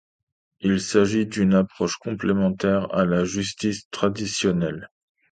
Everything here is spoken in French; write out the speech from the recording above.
Il s'agit d'une approche complémentaire à la justice traditionnelle.